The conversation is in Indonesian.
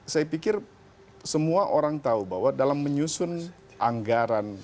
saya pikir semua orang tahu bahwa dalam menyusun anggaran